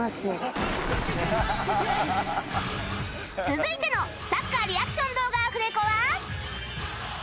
続いてのサッカーリアクション動画アフレコは